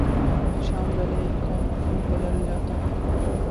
شام ڈھلے ان کا مفہوم بدل جاتا ہے۔